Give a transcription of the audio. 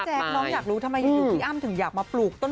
พี่แจ๊คเราอยากรู้ทำไมยุฒิอ้ำถึงอยากมาปลูกต้นมองต้นไม้